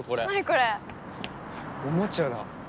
これおもちゃだ